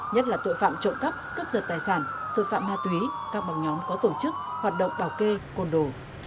nhất là tội phạm trộm cắp cướp giật tài sản tội phạm ma túy các bóng nhóm có tổ chức hoạt động bảo kê côn đồ